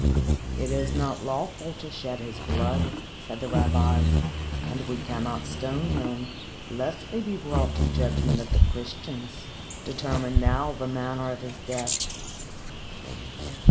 "It is not lawful to shed his blood," said the rabbis. "And we cannot stone him, lest we be brought to judgment of the Christians. Determine thou the manner of his death."